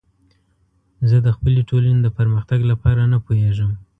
زه د خپلې ټولنې د پرمختګ لپاره نه پوهیږم.